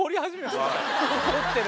怒ってる。